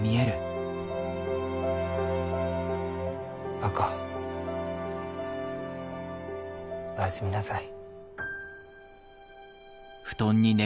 若おやすみなさい。